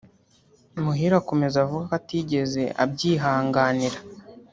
Muhire akomeza avuga ko atigeze abyihanganira